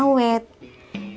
jatuh warna jatuh pengawet